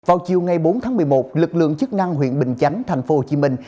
vào chiều ngày bốn tháng một mươi một lực lượng chức năng huyện bình chánh thành phố hồ chí minh